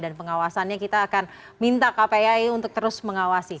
dan pengawasannya kita akan minta kpai untuk terus mengawasi